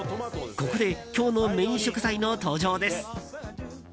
ここで今日のメイン食材の登場です。